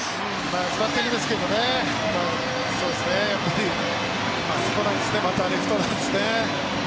ナイスバッティングですけどね、あそこなんですねまたレフトなんですね。